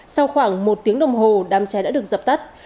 sau khoảng một tiếng đồng hồ đám cháy đã được dập tắt